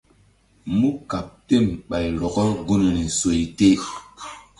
Mú kqɓ tem ɓay rɔk gunri soy te.